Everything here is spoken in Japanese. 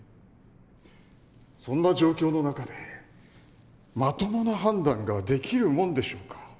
そんな状況の中でまともな判断ができるもんでしょうか？